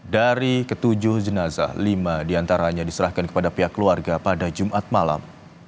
dari ketujuh jenazah lima diantaranya diserahkan kepada pihak keluarga pada jumat malam